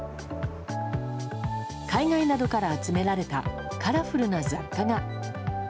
海外などから集められたカラフルな雑貨が。